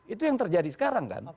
itu yang terjadi sekarang kan